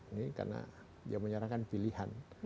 ini karena dia menyerahkan pilihan